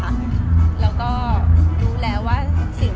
แม็กซ์ก็คือหนักที่สุดในชีวิตเลยจริง